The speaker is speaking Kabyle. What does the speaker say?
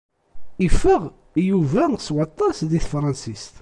Ifeɣ Yuba s waṭas di tefransist.